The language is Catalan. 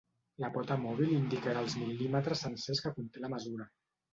La pota mòbil indicarà els mil·límetres sencers que conté la mesura.